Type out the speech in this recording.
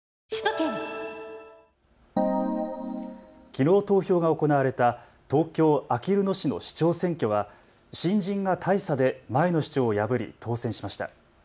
きのう投票が行われた東京あきる野市の市長選挙は新人が大差で前の市長を破り当選しました。